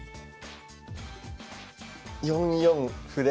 ４四歩で。